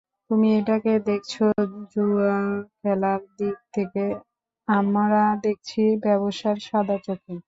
তুমি এটাকে দেখছ জুয়োখেলার দিক থেকে, আমরা দেখছি ব্যবসার সাদা চোখে।